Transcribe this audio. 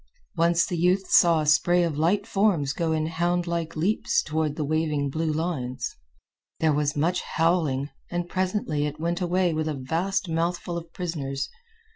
Once the youth saw a spray of light forms go in houndlike leaps toward the waving blue lines. There was much howling, and presently it went away with a vast mouthful of prisoners.